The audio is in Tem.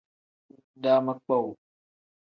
Daama kpowuu.